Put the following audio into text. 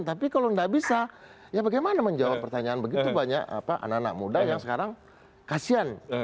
tapi kalau nggak bisa ya bagaimana menjawab pertanyaan begitu banyak anak anak muda yang sekarang kasihan